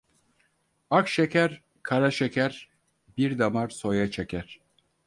Ak şeker, kara şeker, bir damar soya çeker.